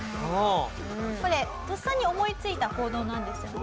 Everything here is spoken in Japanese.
これとっさに思いついた行動なんですよね？